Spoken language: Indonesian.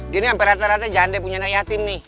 dia nih ampe rata rata janda punya anak yatim nih